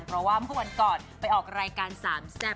เพราะว่าเมื่อวันก่อนไปออกรายการสามแซ่บ